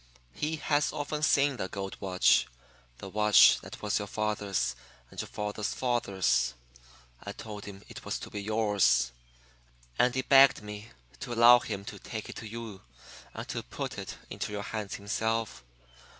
He has often seen the gold watch the watch that was your father's and your father's father's. I told him it was to be yours, And he begged me to allow him to take it to you and to put it into your hands himself.